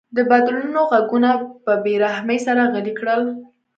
د بدلونونو غږونه په بې رحمۍ سره غلي کړل.